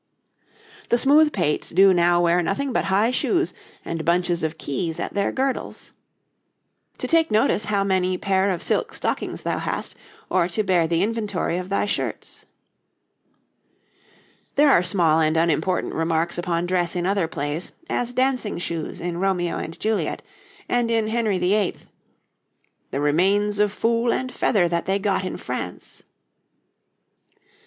'The smooth pates do now wear nothing but high shoes, and bunches of keys at their girdles.' 'To take notice how many pair of silk stockings thou hast, or to bear the inventory of thy shirts.' There are small and unimportant remarks upon dress in other plays, as dancing shoes in 'Romeo and Juliet' and in 'Henry VIII.': 'The remains of fool and feather that they got in France.'